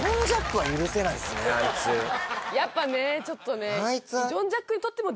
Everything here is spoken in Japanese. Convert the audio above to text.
やっぱねちょっとね。